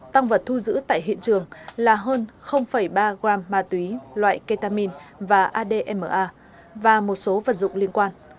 tăng vật thu giữ tại hiện trường là hơn ba gram ma túy loại ketamin và adma và một số vật dụng liên quan